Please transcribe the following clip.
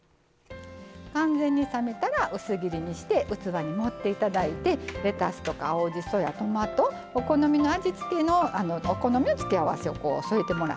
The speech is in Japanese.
完全に冷めたら薄切りにして器に盛っていただいてレタスとか青じそやトマトお好みの付け合わせを添えてもらったら出来上がりです。